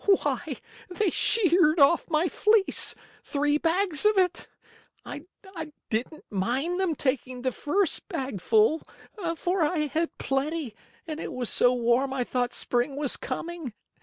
"Why they sheared off my fleece, three bags of it. I didn't mind them taking the first bag full, for I had plenty and it was so warm I thought Spring was coming.